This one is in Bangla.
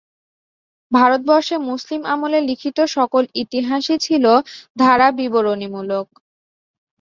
ভারতবর্ষে মুসলিম আমলে লিখিত সকল ইতিহাসই ছিল ধারাবিবরণীমূলক।